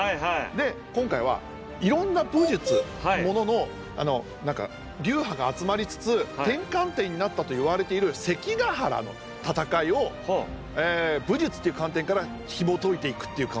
で今回はいろんな武術ってものの流派が集まりつつ転換点になったといわれている関ヶ原の戦いを武術っていう観点からひもといていくっていうか。